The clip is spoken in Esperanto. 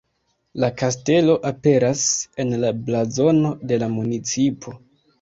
La kastelo aperas en la blazono de la municipo.